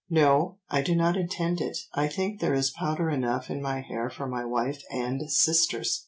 "'No, I do not intend it, I think there is powder enough in my hair for my wife and sisters.